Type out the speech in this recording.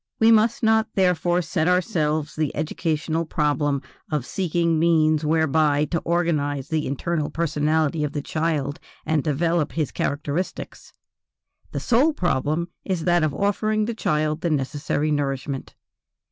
We must not therefore set ourselves the educational problem of seeking means whereby to organize the internal personality of the child and develop his characteristics; the sole problem is that of offering the child the necessary nourishment.